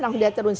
terus dia turun